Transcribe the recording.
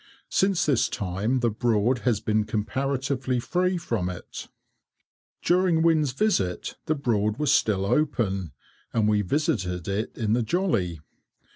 Since this time the Broad has been comparatively free from it. During Wynne's visit the Broad was still open, and we visited it in the jolly.